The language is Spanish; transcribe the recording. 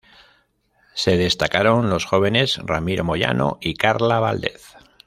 Se destacaron los jóvenes Ramiro Moyano y Carla Valdez.